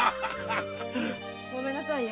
ごめんなさいよ。